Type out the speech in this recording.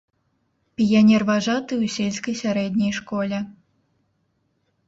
Піянерважаты ў сельскай сярэдняй школе.